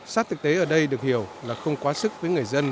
sát thực tế ở đây được hiểu là không quá sức với người dân